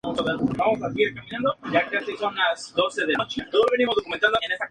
Poco a poco se desarrolló el pueblo en forma de terraza.